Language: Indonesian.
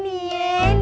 betul betul sudah bang